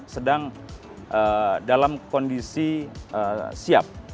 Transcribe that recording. sedang dalam kondisi siap